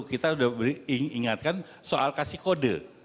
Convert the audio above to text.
kita sudah ingatkan soal kasih kode